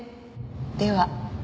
では。